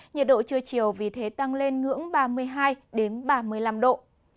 nhiệt độ trưa chiều vì thế tăng lên ngưỡng ba mươi hai ba mươi năm độ